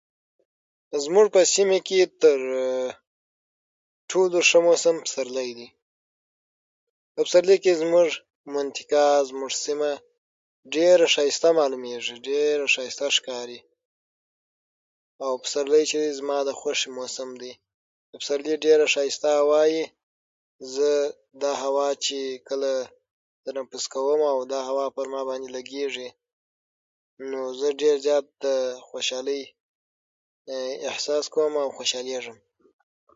زموږ په سیمه کې تر ټولو ښه موسم پسرلی دی. په پسرلي کې زموږ منطقه، زموږ سیمه، ډېره ښایسته معلومېږي، ډېره ښایسته ښکاري. او پسرلی چې دی، زما د خوښې موسم دی. پسرلي ډېره ښایسته هوا وي. زه دا هوا چې کله تنفس کوم، او دا دا هوا چې په ما باندې لګېږي، نو زه ډېر زیات د خوشالۍ احساس کوم، او خوشالېږم.